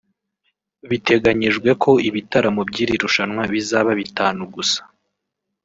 Biteganyijwe ko ibitaramo by’iri rushanwa bizaba bitanu gusa